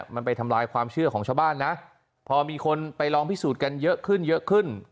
มันไปทำลายความเชื่อของชาวบ้านนะพอมีคนไปลองพิสูจน์กันเยอะขึ้นเยอะขึ้น